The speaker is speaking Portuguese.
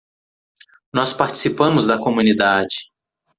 Nós participamos da comunidade.